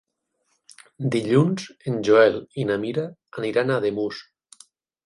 Dilluns en Joel i na Mira aniran a Ademús.